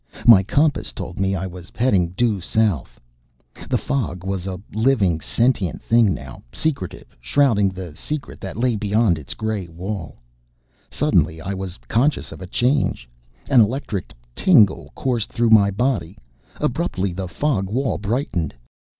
My compass told me I was heading due north. The fog was a living, sentient thing now, secretive, shrouding the secret that lay beyond its gray wall. Suddenly I was conscious of a change. An electric tingle coursed through my body. Abruptly the fog wall brightened.